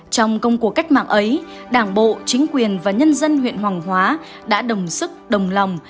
trong công cuộc cách mạng ấy đảng bộ chính quyền và nhân dân huyện hoàng hóa đã đồng sức đồng lòng